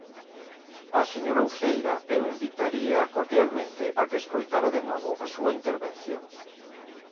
Á señora Uceira eu invitaríaa cordialmente a que escoitara de novo a súa intervención.